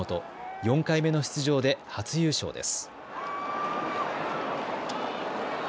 ４回目の出場で初優勝です。